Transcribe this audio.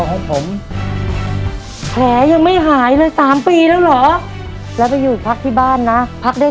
ของผมแผลยังไม่หายเลย๓ปีแล้วเหรอแล้วไปอยู่พักที่บ้านนะพักได้